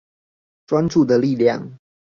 專注的力量